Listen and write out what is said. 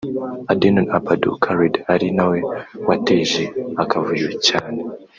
Adenon Abdou Khaled ari nawe wateje akavuyo cyane